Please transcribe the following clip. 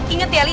ingat ya ali